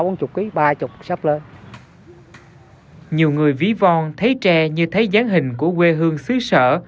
nhiều người ví von thấy tre như thấy dáng hình của quê hương xứ sở